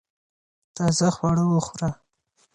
تازه خواړه وخوره